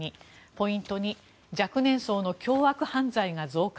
ポイント２若年層の凶悪犯罪が増加。